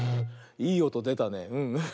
いいおとでたね。